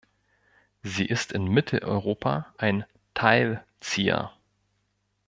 Sie ist in Mitteleuropa ein Teilzieher.